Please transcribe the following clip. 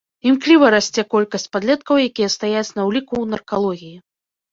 Імкліва расце колькасць падлеткаў, якія стаяць на ўліку ў наркалогіі.